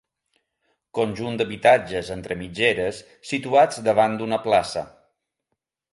Conjunt d'habitatges entre mitgeres, situats davant d'una plaça.